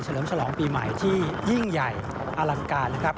เลิมฉลองปีใหม่ที่ยิ่งใหญ่อลังการนะครับ